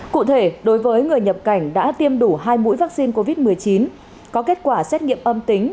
cụ thể đối với người nhập cảnh đã tiêm đủ hai mũi vaccine covid một mươi chín có kết quả xét nghiệm âm tính